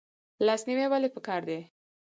لاس نیوی ولې پکار دی؟